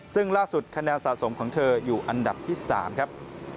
ซึ่งล่าสุดคะแนนสะสมของเธออยู่อันดับที่๓ครับ